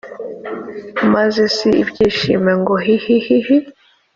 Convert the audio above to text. Maze si ibyishimo ngo hihihihi